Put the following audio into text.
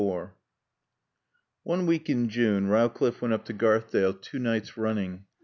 LIV One week in June Rowcliffe went up to Garthdale two nights running.